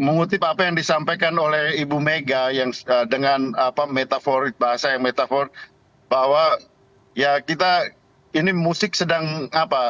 mengutip apa yang disampaikan oleh ibu mega dengan metaforik bahasa yang metaforik bahwa ya kita ini musik sedang apa